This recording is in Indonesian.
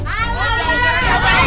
alah alah alah alah